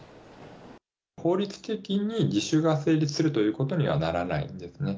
法律的に自首が成立するということにはならないんですね。